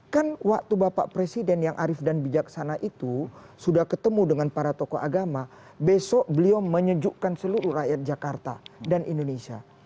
kan waktu bapak presiden yang arif dan bijaksana itu sudah ketemu dengan para tokoh agama besok beliau menyejukkan seluruh rakyat jakarta dan indonesia